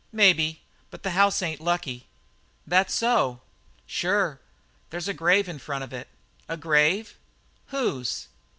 "Maybe; but the house ain't lucky." "That so?" "Sure. There's a grave in front of it." "A grave? Whose?"